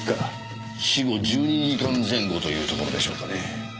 死後１２時間前後というところでしょうかね。